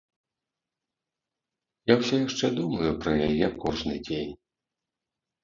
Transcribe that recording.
Я ўсё яшчэ думаю пра яе кожны дзень.